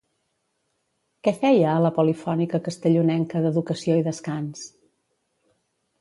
Què feia a la Polifònica Castellonenca d'Educació i Descans?